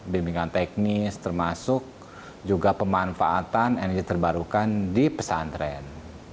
bimbingan teknis termasuk juga pemanfaatan energi terbarukan di pesantren